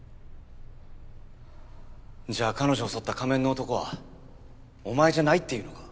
じゃあ彼女を襲った仮面の男はお前じゃないって言うのか？